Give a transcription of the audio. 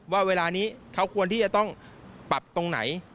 ว่าเวลานี้เขาควรที่จะต้องปรับตรงไหน